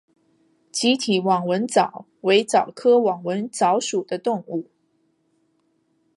棘体网纹蚤为蚤科网纹蚤属的动物。